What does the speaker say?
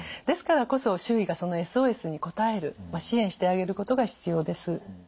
ですからこそ周囲がそのＳＯＳに応える支援してあげることが必要です。